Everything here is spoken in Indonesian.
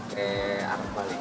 pakai arak bali